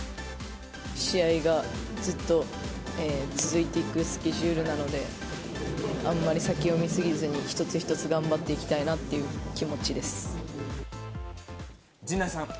試合がずっと続いていくスケジュールなので、あんまり先を見過ぎずに、一つ一つ頑張っていきたいなっていう気陣内さん。